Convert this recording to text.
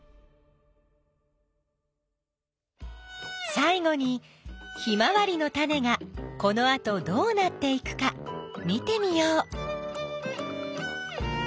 さい後にヒマワリのタネがこのあとどうなっていくか見てみよう。